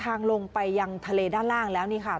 ลงไปยังทะเลด้านล่างแล้วนี่ค่ะ